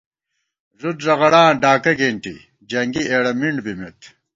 ݫُد ݫغڑاں ڈاکہ کېنٹی، جنگی اېڑہ مِنڈبِمېت